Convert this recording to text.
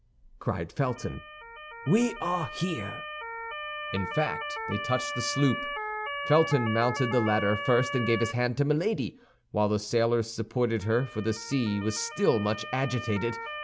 cried Felton; "we are here." In fact, they touched the sloop. Felton mounted the ladder first, and gave his hand to Milady, while the sailors supported her, for the sea was still much agitated.